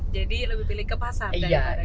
jadi lebih pilih ke pasar daripada ke mal